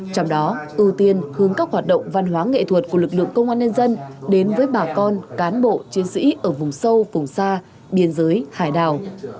trong đó ưu tiên hướng các hoạt động văn hóa nghệ thuật của lực lượng công an nhân dân đến với bà con cán bộ chiến sĩ ở vùng sâu vùng xa biên giới hải đảo